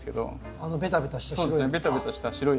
あのベタベタした白い。